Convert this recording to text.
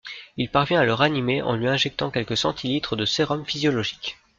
Il parvient à le ranimer en lui injectant quelques centilitres de sérum physiologique.